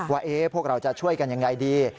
ว่าพวกเราจะช่วยกันยังไงดี